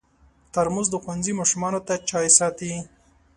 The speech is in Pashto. ترموز د ښوونځي ماشومانو ته چای ساتي.